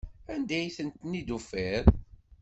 Anda ay ten-id-tufiḍ?